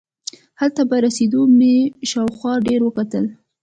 هلته په رسېدو مې شاوخوا ډېر وکتل.